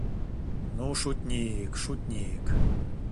Ну, шутник, шутник...